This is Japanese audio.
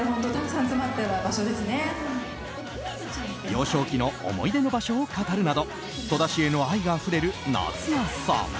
幼少期の思い出の場所を語るなど戸田市への愛があふれる夏菜さん。